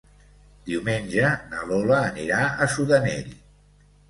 Diumenge na Lola anirà a Sudanell.